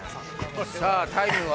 さぁタイムは？